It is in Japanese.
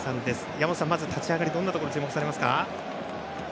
山本さん、まず立ち上がりどんなところ注目されますか。